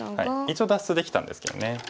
一応脱出できたんですけどね。